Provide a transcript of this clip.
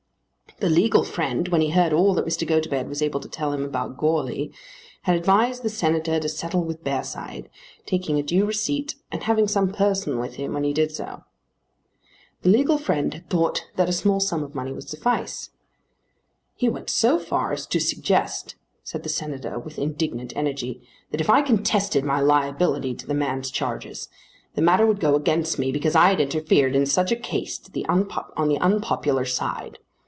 The legal friend, when he heard all that Mr. Gotobed was able to tell him about Goarly, had advised the Senator to settle with Bearside, taking a due receipt and having some person with him when he did so. The legal friend had thought that a small sum of money would suffice. "He went so far as to suggest," said the Senator with indignant energy, "that if I contested my liability to the man's charges, the matter would go against me because I had interfered in such a case on the unpopular side.